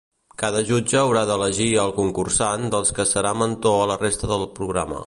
Cada jutge haurà d'elegir al concursant dels que serà mentor a la resta del programa.